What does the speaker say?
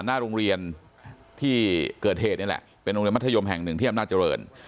หน้าโรงเรียนที่เกิดเหตุนี่แหละเป็นโรงเรียนมัธยมแห่งหนึ่งที่อำนาจเจริญ